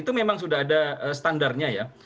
itu memang sudah ada standarnya ya